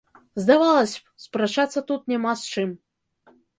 Здавалася б, спрачацца тут няма з чым.